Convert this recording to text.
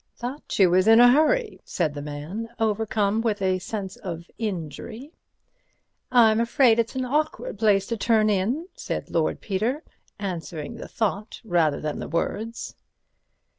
"Thought you was in a hurry," said the man, overcome with a sense of injury. "I'm afraid it's an awkward place to turn in," said Lord Peter, answering the thought rather than the words.